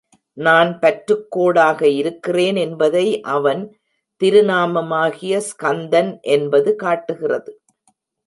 நான் பற்றுக்கோடாக இருக்கிறேன் என்பதை அவன் திருநாமமாகிய ஸ்கந்தன் என்பது காட்டுகிறது.